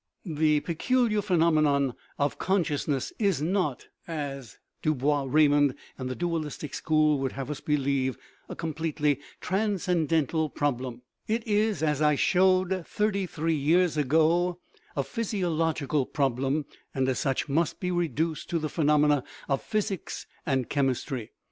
The peculiar phenomenon of consciousness is not, as Du Bois Reymond and the dualistic school would have us believe, a completely " transcendental " prob lem ; it is, as I showed thirty three years ago, a phys iological problem, and, as such, must be reduced to the phenomena of physics and chemistry.